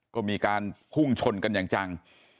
ก็มีการพุ่งชนกันอย่างจัง